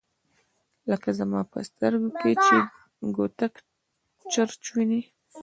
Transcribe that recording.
لکه زما په سترګو کې چي “ګوتهک چرچ” ویني